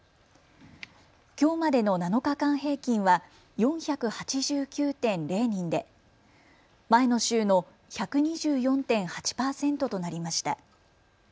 きょうまでの７日間平均は４８９．０人で前の週の１２４．８％となりました。